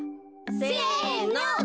せの！